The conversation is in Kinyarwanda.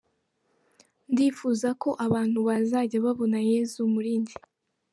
Ndifuza ko abantu bazajya babona Yezu muri njye”.